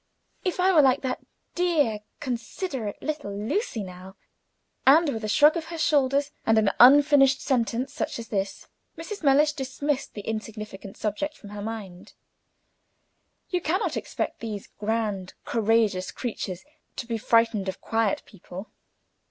If I were like that dear, considerate little Lucy, now " And with a shrug of her shoulders, and an unfinished sentence such as this, Mrs. Mellish dismissed the insignificant subject from her mind. You can not expect these grand, courageous creatures to be frightened of quiet people.